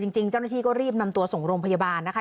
จริงเจ้าหน้าที่ก็รีบนำตัวส่งโรงพยาบาลนะคะ